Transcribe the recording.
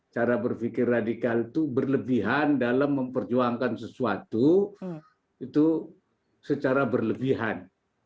cara berpikir radikal itu berlebihan dalam memperjuangkan sesuatu itu secara berlebihan